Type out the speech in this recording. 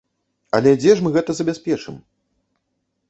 Але дзе ж мы гэта забяспечым?